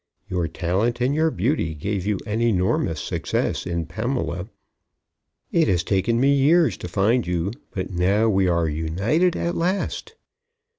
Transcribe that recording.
Your talent and your beauty gave you an enormous success in Pamela. It has taken me years to find you, but now we are united at last."